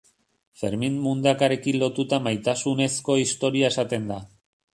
Fermin Mundakarekin lotuta maitasunezko historia esaten da.